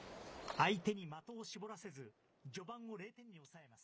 相手に的を絞らせず、序盤を０点に抑えます。